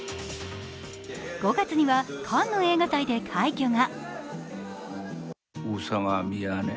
５月には、カンヌ映画祭で快挙が。